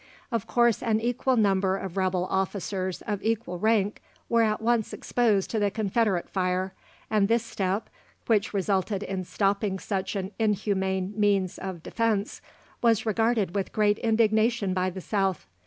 Of course an equal number of rebel officers of equal rank were at once exposed to the Confederate fire, and this step, which resulted in stopping such an inhuman means of defence, was regarded with great indignation by the South.